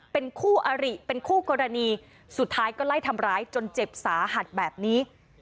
เป็นคู่อริเป็นคู่กรณีสุดท้ายก็ไล่ทำร้ายจนเจ็บสาหัสแบบนี้